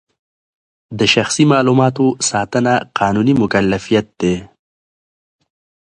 د شخصي معلوماتو ساتنه قانوني مکلفیت دی.